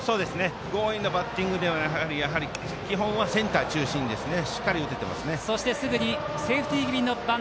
強引なバッティングではなく基本はセンター中心にしっかり打ててます。